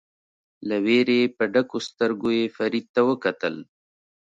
له وېرې په ډکو سترګو یې فرید ته وکتل.